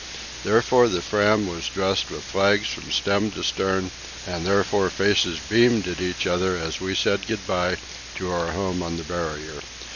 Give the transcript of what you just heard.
Therefore the Fram was dressed with flags from stem to stern, and therefore faces beamed at each other as we said good bye to our home on the Barrier.